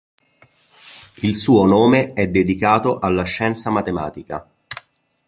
Il suo nome è dedicato alla scienza matematica.